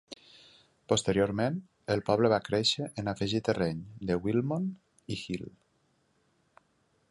Posteriorment, el poble va créixer en afegir terreny de Wilmot i Hill.